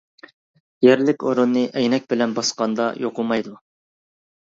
يەرلىك ئورۇننى ئەينەك بىلەن باسقاندا يوقىمايدۇ.